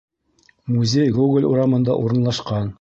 Музей Гоголь урамында урынлашҡан.